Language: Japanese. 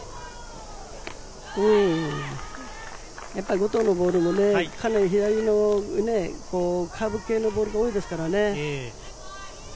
後藤のボールもかなり左のカーブ系のボールが多いですからね。